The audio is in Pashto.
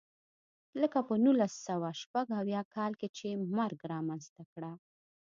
لکه په نولس سوه شپږ اویا کال کې چې مرګ رامنځته کړه.